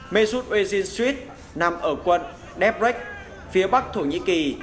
mesut ozil street nằm ở quận deprecht phía bắc thổ nhĩ kỳ